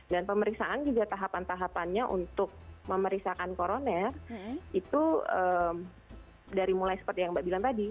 dan pemeriksaan juga tahapan tahapannya untuk memeriksa koroner itu dari mulai seperti yang mbak bilang tadi